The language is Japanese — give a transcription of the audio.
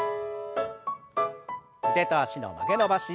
腕と脚の曲げ伸ばし。